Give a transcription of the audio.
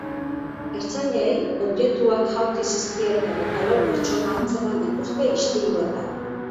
Ertzainei objektuak jaurti zizkieten eta lau pertsona atzeman dituzte istiluetan.